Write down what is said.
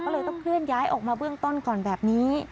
ก็เลยต้องเคลื่อนย้ายออกมาเบื้องต้นก่อนแบบนี้